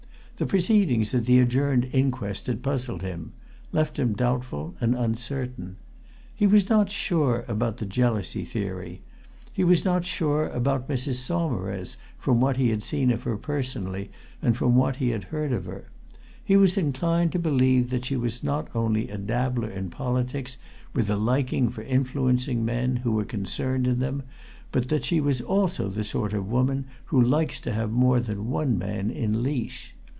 The proceedings at the adjourned inquest had puzzled him; left him doubtful and uncertain. He was not sure about the jealousy theory. He was not sure about Mrs. Saumarez, from what he had seen of her personally and from what he had heard of her. He was inclined to believe that she was not only a dabbler in politics with a liking for influencing men who were concerned in them but that she was also the sort of woman who likes to have more than one man in leash.